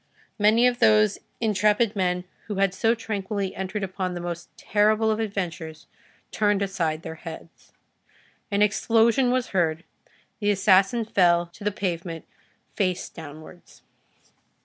Many of those intrepid men, who had so tranquilly entered upon the most terrible of adventures, turned aside their heads. An explosion was heard, the assassin fell to the pavement face downwards.